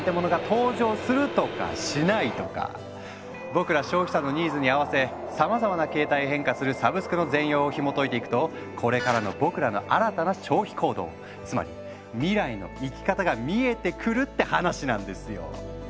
僕ら消費者のニーズに合わせさまざまな形態へ変化するサブスクの全容をひもといていくとこれからの僕らの新たな消費行動つまり未来の生き方が見えてくるって話なんですよ！